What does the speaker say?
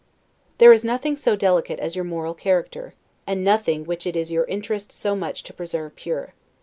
There is nothing so delicate as your moral character, and nothing which it is your interest so much to preserve pure.